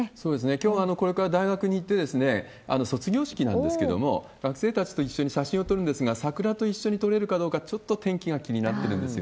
きょうもこれから大学に行って、卒業式なんですけれども、学生たちと一緒に写真を撮るんですが、桜と一緒に撮れるかどうか、ちょっと天気が気になってるんですよ